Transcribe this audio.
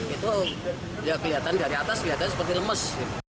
itu ya kelihatan dari atas kelihatan seperti lemes